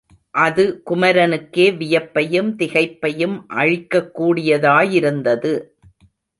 அது குமரனுக்கே வியப்பையும் திகைப்பையும் அளிக்கக் கூடியதாயிருந்தது.